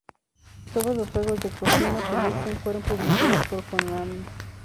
Todos los juegos de Kojima Productions fueron publicados por Konami.